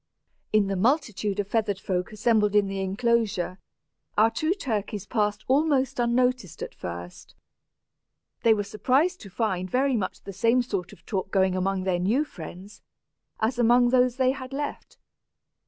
In the multitude of feathered folk assembled in the enclosure, our two turkeys passed almost unnoticed at first. They were surprised to find very much the same sort of talk going on among their new friends, as among those they had left.